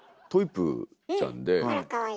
トイプーちゃんで。